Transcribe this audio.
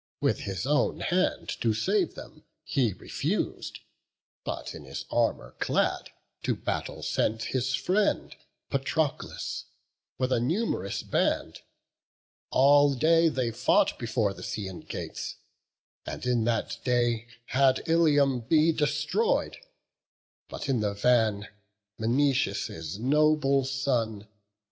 With his own hand to save them he refus'd; But, in his armour clad, to battle sent His friend Patroclus, with a num'rous band. All day they fought before the Scaean* gates; And in that day had Ilium been destroy'd, But in the van, Menoetius' noble son.